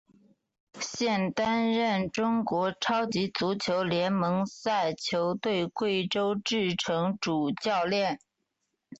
现担任中国超级足球联赛球队贵州智诚主教练。